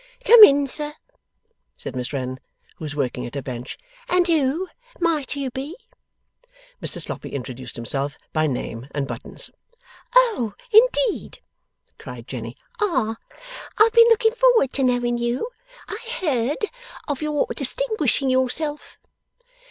'Come in, sir,' said Miss Wren, who was working at her bench. 'And who may you be?' Mr Sloppy introduced himself by name and buttons. 'Oh indeed!' cried Jenny. 'Ah! I have been looking forward to knowing you. I heard of your distinguishing yourself.